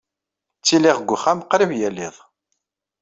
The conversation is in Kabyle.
Ttiliɣ deg uxxam qrib yal iḍ.